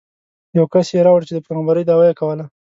یو کس یې راوړ چې د پېغمبرۍ دعوه یې کوله.